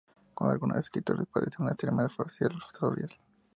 Como algunos escritores, padece una extrema fobia social.